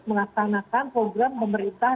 mengasahkan program pemerintah